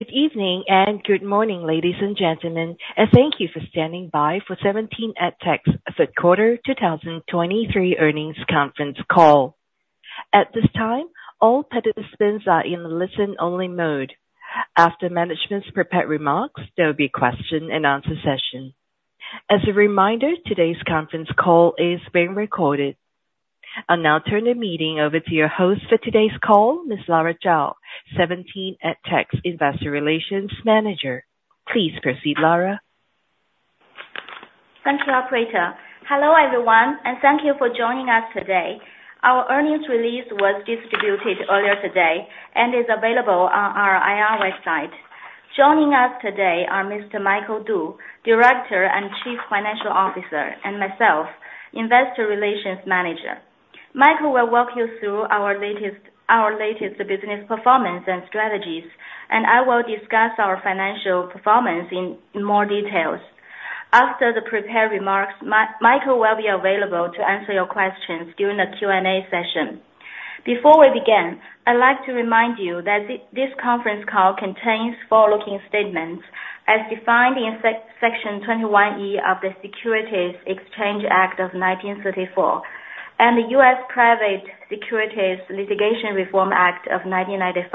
Good evening and good morning, ladies and gentlemen, and thank you for standing by for 17EdTech's third quarter 2023 earnings conference call. At this time, all participants are in a listen-only mode. After management's prepared remarks, there will be a question and answer session. As a reminder, today's conference call is being recorded. I'll now turn the meeting over to your host for today's call, Ms. Lara Zhao, 17EdTech's Investor Relations Manager. Please proceed, Lara. Thank you, operator. Hello, everyone, and thank you for joining us today. Our earnings release was distributed earlier today and is available on our IR website. Joining us today are Mr. Michael Du, Director and Chief Financial Officer, and myself, Investor Relations Manager. Michael will walk you through our latest, our latest business performance and strategies, and I will discuss our financial performance in, in more details. After the prepared remarks, Michael will be available to answer your questions during the Q&A session. Before we begin, I'd like to remind you that this conference call contains forward-looking statements as defined in SEC Section 21E of the Securities Exchange Act of 1934, and the U.S. Private Securities Litigation Reform Act of 1995.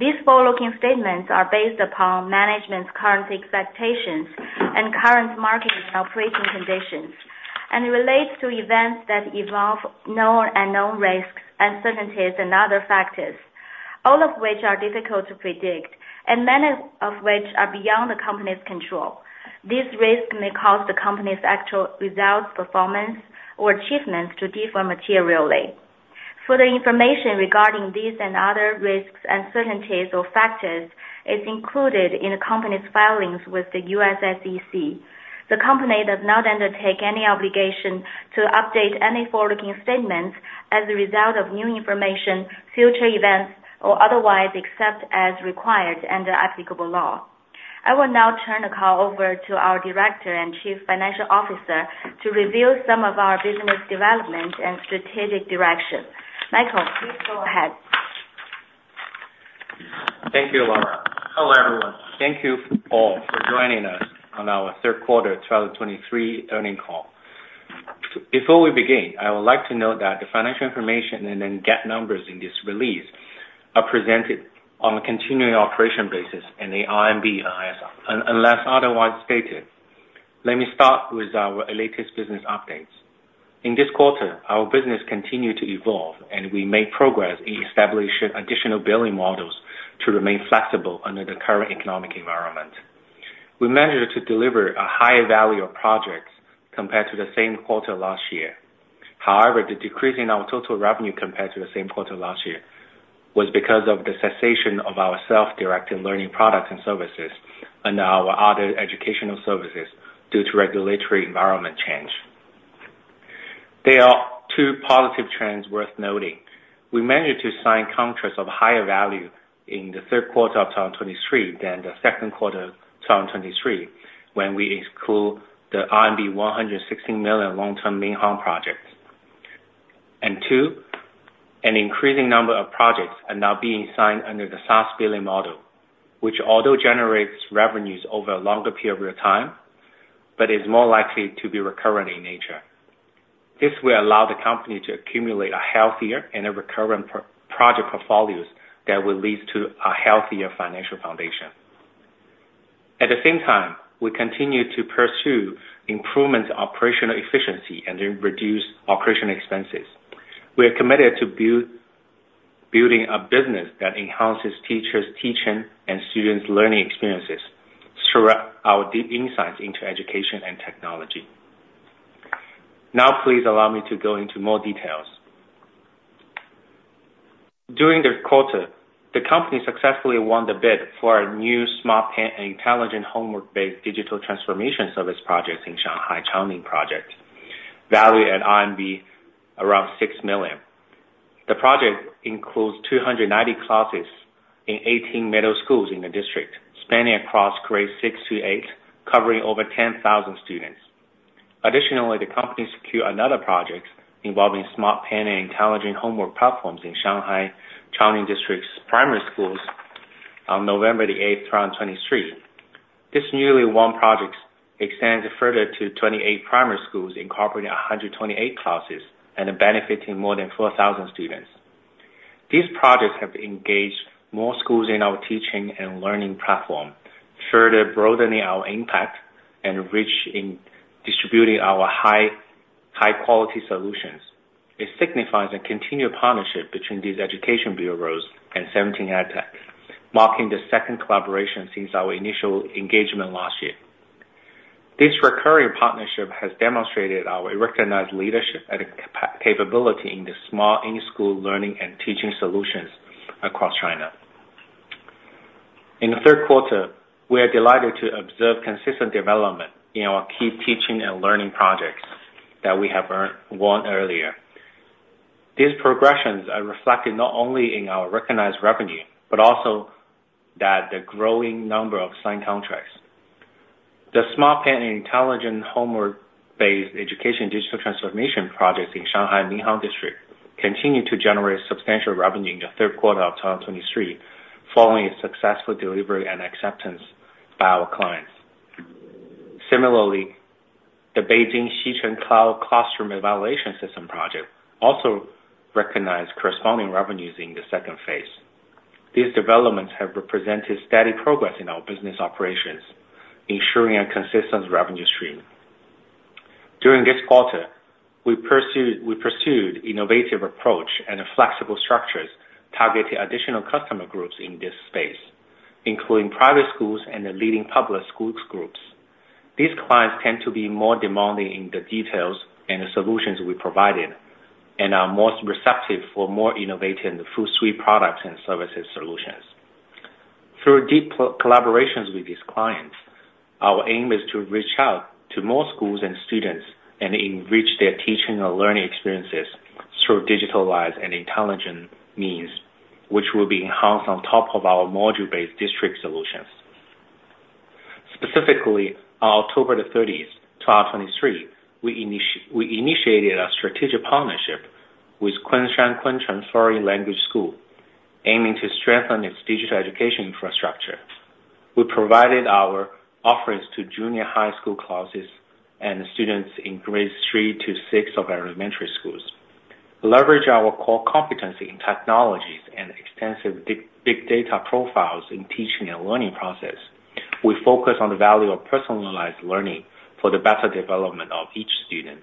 These forward-looking statements are based upon management's current expectations and current market and operating conditions, and it relates to events that involve known and unknown risks, uncertainties, and other factors, all of which are difficult to predict, and many of which are beyond the company's control. These risks may cause the company's actual results, performance, or achievements to differ materially. Further information regarding these and other risks, uncertainties, or factors is included in the company's filings with the U.S. SEC. The company does not undertake any obligation to update any forward-looking statements as a result of new information, future events, or otherwise, except as required under applicable law. I will now turn the call over to our Director and Chief Financial Officer to review some of our business development and strategic direction. Michael, please go ahead. Thank you, Lara. Hello, everyone. Thank you all for joining us on our third quarter 2023 earnings call. Before we begin, I would like to note that the financial information and the GAAP numbers in this release are presented on a continuing operations basis in the RMB and USD, unless otherwise stated. Let me start with our latest business updates. In this quarter, our business continued to evolve, and we made progress in establishing additional billing models to remain flexible under the current economic environment. We managed to deliver a higher value of projects compared to the same quarter last year. However, the decrease in our total revenue compared to the same quarter last year was because of the cessation of our self-directed learning products and services and our other educational services due to regulatory environment change. There are two positive trends worth noting. We managed to sign contracts of higher value in the third quarter of 2023 than the second quarter of 2023, when we exclude the RMB 116 million long-term Minhang project. And two, an increasing number of projects are now being signed under the SaaS billing model, which although generates revenues over a longer period of time, but is more likely to be recurrent in nature. This will allow the company to accumulate a healthier and a recurrent project portfolios that will lead to a healthier financial foundation. At the same time, we continue to pursue improvements in operational efficiency and then reduce operational expenses. We are committed to building a business that enhances teachers' teaching and students' learning experiences throughout our deep insights into education and technology. Now, please allow me to go into more details. During the quarter, the company successfully won the bid for a new smart pen and intelligent homework-based digital transformation service projects in Shanghai, Changning District project, valued at RMB around 6 million. The project includes 290 classes in 18 middle schools in the district, spanning across grades six to eight, covering over 10,000 students. Additionally, the company secured another project involving smart pen and intelligent homework platforms in Shanghai, Changning District's primary schools on November 8, 2023. This newly won project extends further to 28 primary schools, incorporating 128 classes and benefiting more than 4,000 students. These projects have engaged more schools in our teaching and learning platform, further broadening our impact and reach in distributing our high, high quality solutions. It signifies a continued partnership between these education bureaus and 17EdTech, marking the second collaboration since our initial engagement last year. This recurring partnership has demonstrated our recognized leadership and capability in the smart in-school learning and teaching solutions across China. In the third quarter, we are delighted to observe consistent development in our key teaching and learning projects that we have earned, won earlier. These progressions are reflected not only in our recognized revenue, but also that the growing number of signed contracts. The smart pen and intelligent homework-based education digital transformation projects in Shanghai, Minhang District, continue to generate substantial revenue in the third quarter of 2023, following a successful delivery and acceptance by our clients. Similarly, the Beijing Xicheng Cloud Classroom Evaluation System project also recognized corresponding revenues in the second phase. These developments have represented steady progress in our business operations, ensuring a consistent revenue stream. During this quarter, we pursued innovative approach and flexible structures, targeting additional customer groups in this space, including private schools and the leading public schools groups. These clients tend to be more demanding in the details and the solutions we provided, and are most receptive for more innovative and full suite products and services solutions. Through deep co-collaborations with these clients, our aim is to reach out to more schools and students, and enrich their teaching or learning experiences through digitalized and intelligent means, which will be enhanced on top of our module-based district solutions. Specifically, on October the 30th, 2023, we initiated a strategic partnership with Kunshan Liren Foreign Language School, aiming to strengthen its digital education infrastructure. We provided our offerings to junior high school classes and students in grades three to six of elementary schools. Leverage our core competency in technologies and extensive big, big data profiles in teaching and learning process. We focus on the value of personalized learning for the better development of each student.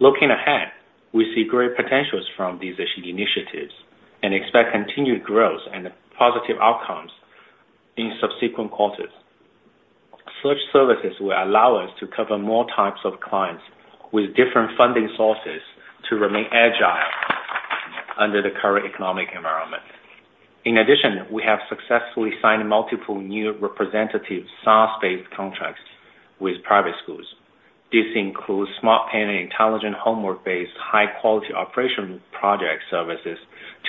Looking ahead, we see great potentials from these initiatives and expect continued growth and positive outcomes in subsequent quarters. Such services will allow us to cover more types of clients with different funding sources to remain agile under the current economic environment. In addition, we have successfully signed multiple new representative SaaS-based contracts with private schools. This includes smart pen and intelligent homework-based, high quality operation project services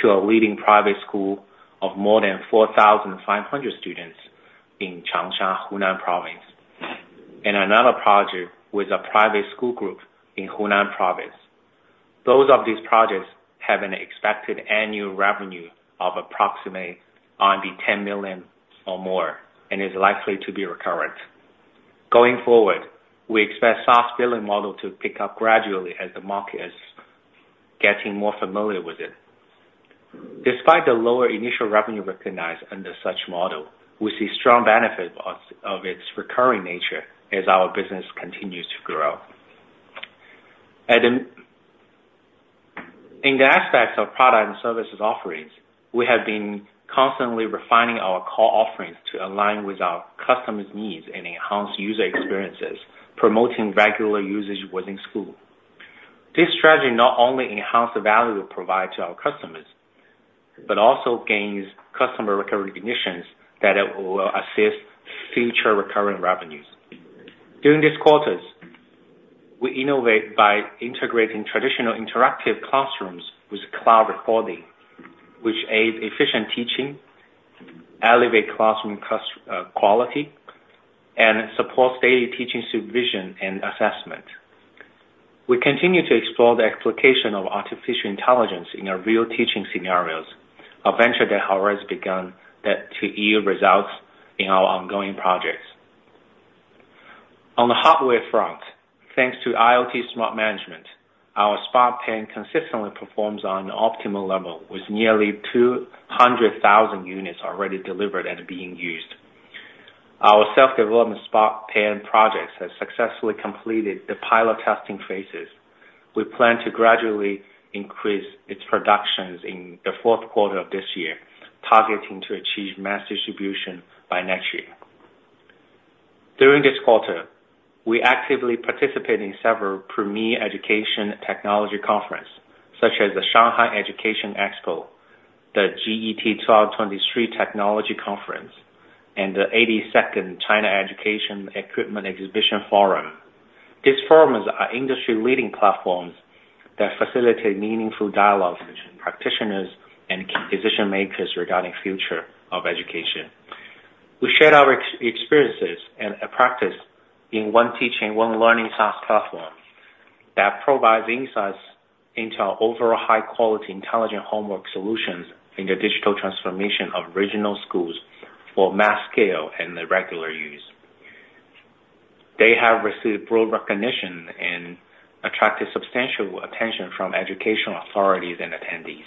to a leading private school of more than 4,500 students in Changsha, Hunan Province, and another project with a private school group in Hunan Province. Both of these projects have an expected annual revenue of approximately 10 million or more, and is likely to be recurrent. Going forward, we expect SaaS billing model to pick up gradually as the market is getting more familiar with it. Despite the lower initial revenue recognized under such model, we see strong benefit of its recurring nature as our business continues to grow. In the aspects of product and services offerings, we have been constantly refining our core offerings to align with our customers' needs and enhance user experiences, promoting regular usage within school. This strategy not only enhance the value we provide to our customers, but also gains customer recovery recognitions that will assist future recurring revenues. During these quarters, we innovate by integrating traditional interactive classrooms with cloud recording, which aids efficient teaching, elevate classroom cust-, quality, and supports daily teaching, supervision and assessment. We continue to explore the application of artificial intelligence in our real teaching scenarios, a venture that has already begun to yield results in our ongoing projects. On the hardware front, thanks to IoT smart management, our smart pen consistently performs on an optimal level, with nearly 200,000 units already delivered and being used. Our self-development smart pen projects have successfully completed the pilot testing phases. We plan to gradually increase its productions in the fourth quarter of this year, targeting to achieve mass distribution by next year. During this quarter, we actively participate in several premier education technology conferences, such as the Shanghai Education Expo, the GET 2023 Technology Conference, and the 82nd China Education Equipment Exhibition Forum. These forums are industry-leading platforms that facilitate meaningful dialogues between practitioners and decision makers regarding the future of education. We shared our experiences and a practice in one teaching, one learning SaaS platform that provides insights into our overall high-quality intelligent homework solutions in the digital transformation of regional schools for mass scale and the regular use. They have received broad recognition and attracted substantial attention from educational authorities and attendees.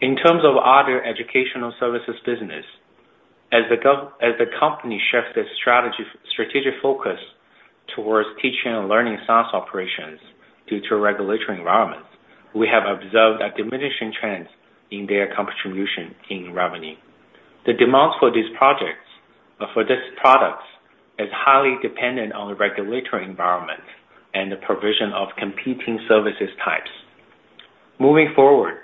In terms of other educational services business, as the company shifts its strategic focus towards teaching and learning SaaS operations due to regulatory environments, we have observed a diminishing trend in their contribution to revenue. The demands for these projects, for these products, is highly dependent on the regulatory environment and the provision of competing services types. Moving forward,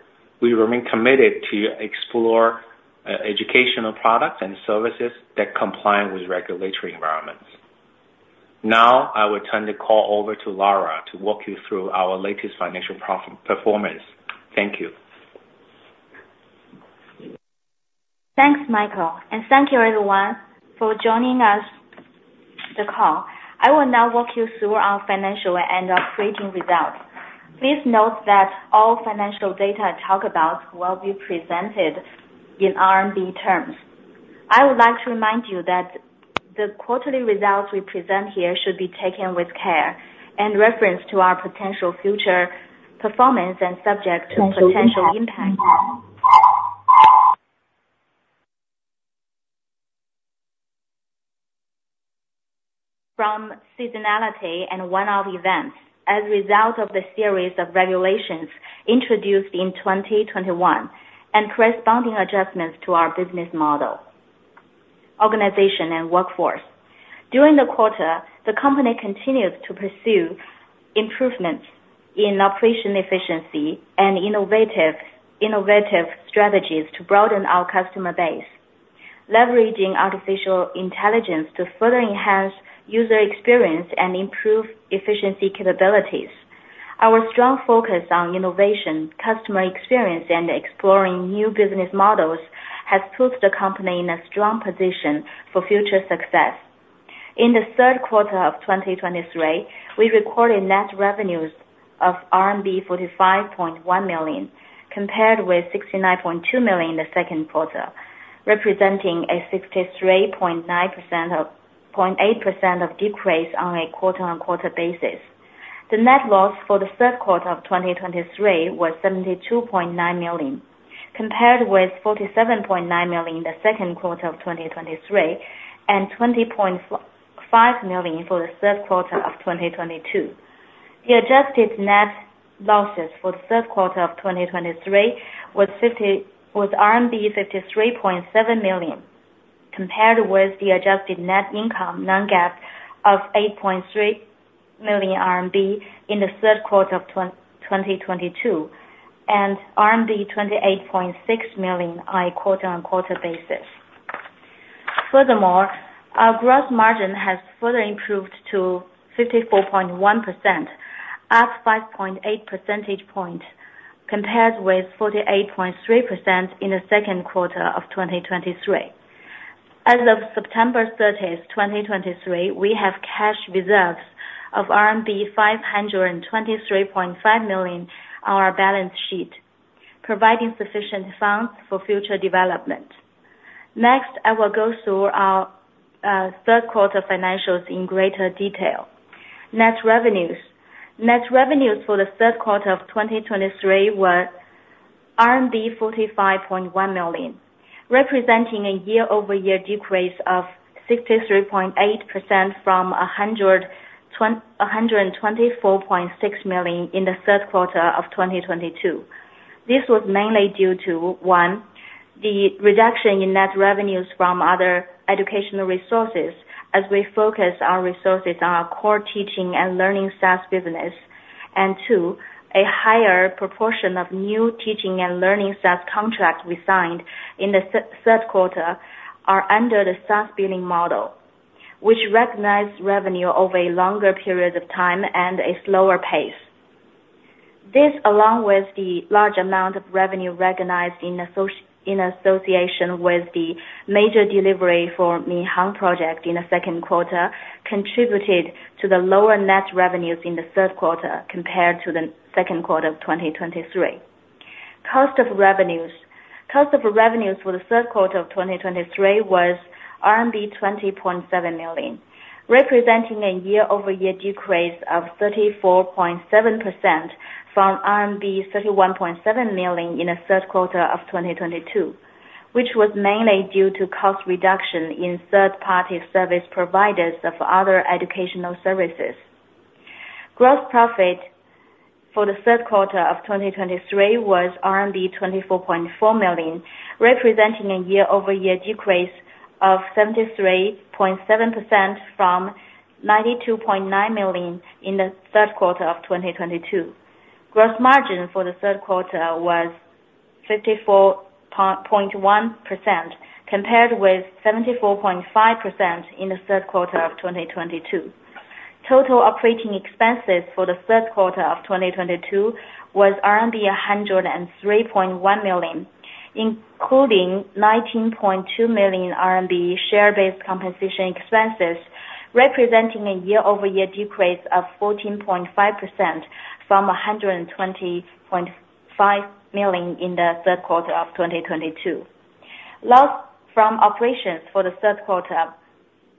we remain committed to explore educational products and services that comply with regulatory environments. Now, I will turn the call over to Lara to walk you through our latest financial performance. Thank you. Thanks, Michael, and thank you everyone for joining us on the call. I will now walk you through our financial and operating results. Please note that all financial data I talk about will be presented in RMB terms. I would like to remind you that the quarterly results we present here should be taken with care and not as a reference to our potential future performance and are subject to potential impacts from seasonality and one-off events as a result of the series of regulations introduced in 2021, and corresponding adjustments to our business model, organization, and workforce. During the quarter, the company continues to pursue improvements in operational efficiency and innovative strategies to broaden our customer base, leveraging artificial intelligence to further enhance user experience and improve efficiency capabilities. Our strong focus on innovation, customer experience, and exploring new business models has put the company in a strong position for future success. In the third quarter of 2023, we recorded net revenues of RMB 45.1 million, compared with 69.2 million in the second quarter, representing a 63.8% decrease on a quarter-on-quarter basis. The net loss for the third quarter of 2023 was 72.9 million, compared with 47.9 million in the second quarter of 2023, and 25.5 million for the third quarter of 2022. The adjusted net losses for the third quarter of 2023 was RMB 53.7 million, compared with the adjusted net income non-GAAP of 8.3 million RMB in the third quarter of 2022, and RMB 28.6 million on a quarter-on-quarter basis. Furthermore, our gross margin has further improved to 54.1%, up 5.8 percentage point, compared with 48.3% in the second quarter of 2023. As of September 30, 2023, we have cash reserves of RMB 523.5 million on our balance sheet, providing sufficient funds for future development. Next, I will go through our third quarter financials in greater detail. Net revenues. Net revenues for the third quarter of 2023 were 45.1 million, representing a year-over-year decrease of 63.8% from a hundred and 124.6 million in the third quarter of 2022. This was mainly due to, one, the reduction in net revenues from other educational resources as we focus our resources on our core teaching and learning SaaS business. And two, a higher proportion of new teaching and learning SaaS contracts we signed in the third quarter are under the SaaS billing model, which recognizes revenue over a longer period of time and a slower pace. This, along with the large amount of revenue recognized in association with the major delivery for Minhang project in the second quarter, contributed to the lower net revenues in the third quarter compared to the second quarter of 2023. Cost of revenues. Cost of revenues for the third quarter of 2023 was RMB 20.7 million, representing a year-over-year decrease of 34.7% from RMB 31.7 million in the third quarter of 2022, which was mainly due to cost reduction in third-party service providers of other educational services. Gross profit for the third quarter of 2023 was 24.4 million, representing a year-over-year decrease of 73.7% from 92.9 million in the third quarter of 2022. Gross margin for the third quarter was 54.1%, compared with 74.5% in the third quarter of 2022. Total operating expenses for the third quarter of 2022 was RMB 103.1 million, including 19.2 million RMB share-based compensation expenses, representing a year-over-year decrease of 14.5% from 120.5 million in the third quarter of 2022. Loss from operations for the third quarter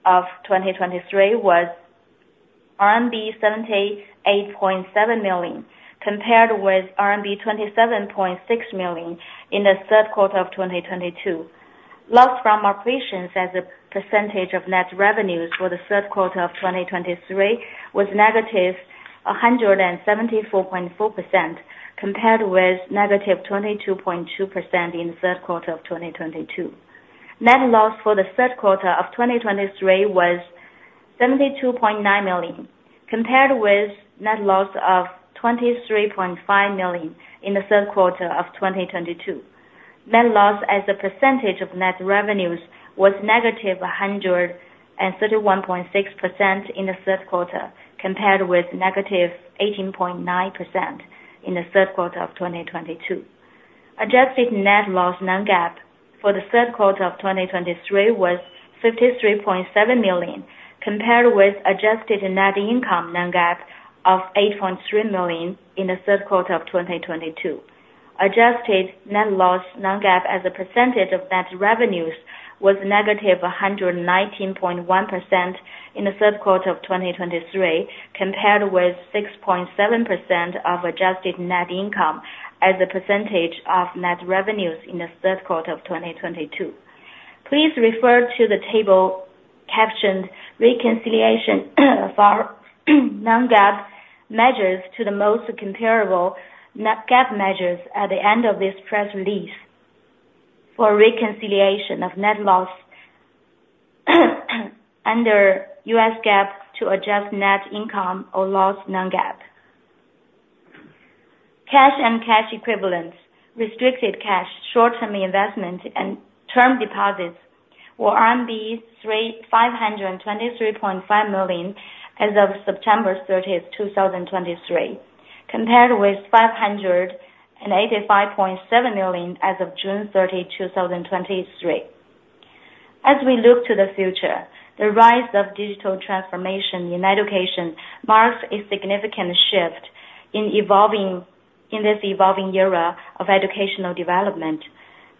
of 2023 was RMB 78.7 million, compared with RMB 27.6 million in the third quarter of 2022. Loss from operations as a percentage of net revenues for the third quarter of 2023 was -174.4%, compared with -22.2% in the third quarter of 2022. Net loss for the third quarter of 2023 was 72.9 million, compared with net loss of 23.5 million in the third quarter of 2022. Net loss as a percentage of net revenues was -131.6% in the third quarter, compared with -18.9% in the third quarter of 2022. Adjusted net loss non-GAAP for the third quarter of 2023 was 53.7 million, compared with adjusted net income non-GAAP of 8.3 million in the third quarter of 2022. Adjusted net loss Non-GAAP as a percentage of net revenues was -119.1% in the third quarter of 2023, compared with 6.7% of adjusted net income as a percentage of net revenues in the third quarter of 2022. Please refer to the table captioned Reconciliation for Non-GAAP measures to the most comparable net GAAP measures at the end of this press release for reconciliation of net loss under U.S. GAAP to adjust net income or loss Non-GAAP. Cash and cash equivalents, restricted cash, short-term investments, and term deposits were RMB 523.5 million as of September 30, 2023, compared with 585.7 million as of June 30, 2023. As we look to the future, the rise of digital transformation in education marks a significant shift in evolving, in this evolving era of educational development.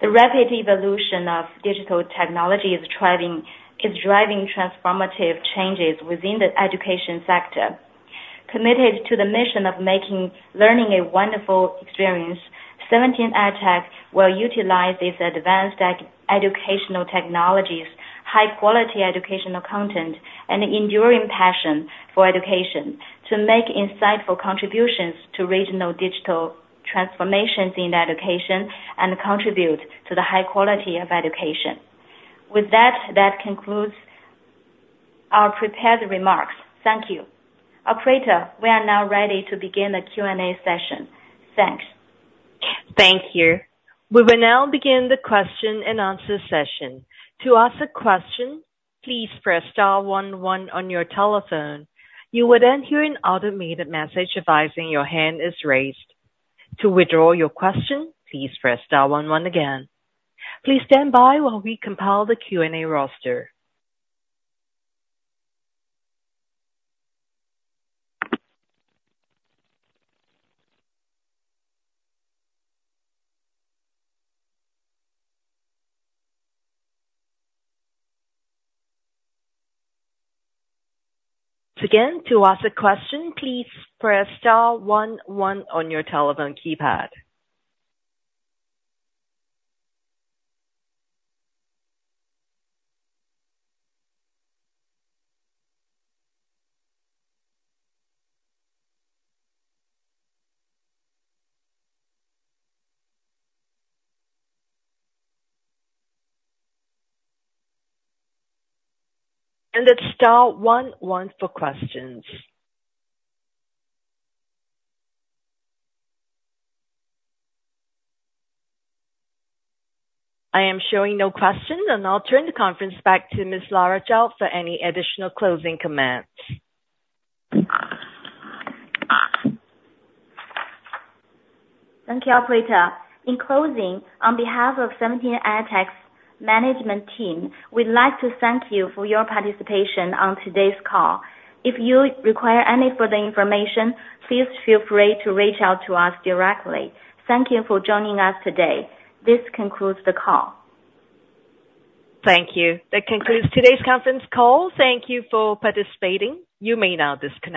The rapid evolution of digital technology is driving, is driving transformative changes within the education sector. Committed to the mission of making learning a wonderful experience, 17EdTech will utilize these advanced educational technologies, high quality educational content, and an enduring passion for education to make insightful contributions to regional digital transformations in education and contribute to the high quality of education. With that, that concludes our prepared remarks. Thank you. Operator, we are now ready to begin the Q&A session. Thanks. Thank you. We will now begin the question and answer session. To ask a question, please press star one one on your telephone. You will then hear an automated message advising your hand is raised. To withdraw your question, please press star one one again. Please stand by while we compile the Q&A roster. Again, to ask a question, please press star one one on your telephone keypad. It's star one one for questions. I am showing no questions, and I'll turn the conference back to Ms. Lara Zhao for any additional closing comments. Thank you, operator. In closing, on behalf of 17EdTech's management team, we'd like to thank you for your participation on today's call. If you require any further information, please feel free to reach out to us directly. Thank you for joining us today. This concludes the call. Thank you. That concludes today's conference call. Thank you for participating. You may now disconnect.